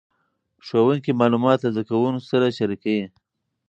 ښوونکي معلومات له زده کوونکو سره شریکوي.